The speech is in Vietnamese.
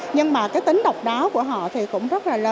nhưng mà cái tính độc đáo của họ thì cũng rất là lớn